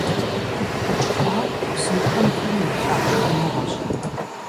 КупкъыкӀ хъуар бзухэм фӀыуэ ялъагъу шхыныгъуэщ.